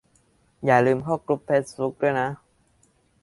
อย่าลืมเข้ากรุ๊ปเฟซบุ๊กด้วยนะ